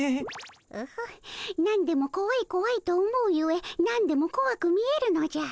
オホッ何でもこわいこわいと思うゆえ何でもこわく見えるのじゃ。